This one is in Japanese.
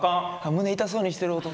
胸痛そうにしてる弟。